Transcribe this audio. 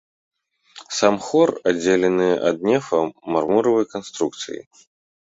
Сам хор аддзелены ад нефа мармуровай канструкцыяй.